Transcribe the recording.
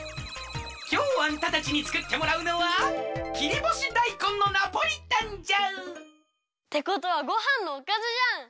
きょうあんたたちにつくってもらうのは切りぼしだいこんのナポリタンじゃ！ってことはごはんのおかずじゃん！